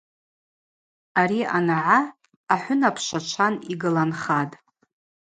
Ари анагӏа ахӏвынап швачван йгыланхатӏ.